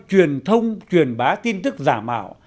truyền thông truyền bá tin tức giả mạo